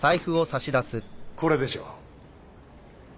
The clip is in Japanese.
これでしょう？